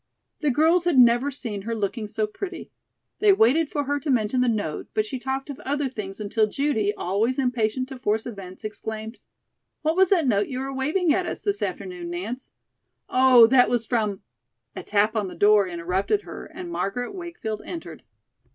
The girls had never seen her looking so pretty. They waited for her to mention the note, but she talked of other things until Judy, always impatient to force events, exclaimed: "What was that note you were waving at us this afternoon, Nance?" "Oh, that was from " A tap on the door interrupted her and Margaret Wakefield entered.